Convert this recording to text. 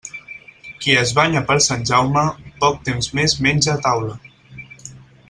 Qui es banya per Sant Jaume, poc temps més menja a taula.